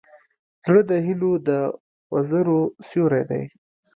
زړه د هيلو د وزرو سیوری دی.